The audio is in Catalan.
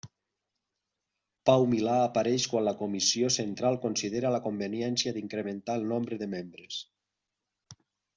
Pau Milà apareix quan la comissió central considera la conveniència d'incrementar el nombre de membres.